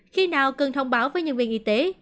khi nào cần thông báo với nhân viên y tế